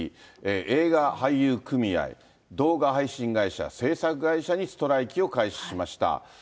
映画俳優組合、動画配信会社、制作会社にストライキを開始しました。